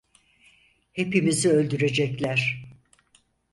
Hepimizi öldürecekler!